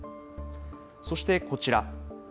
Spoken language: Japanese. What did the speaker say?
そしてこちら。